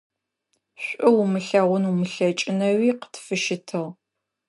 ШӀу умылъэгъун умылъэкӀынэуи къытфыщытыгъ.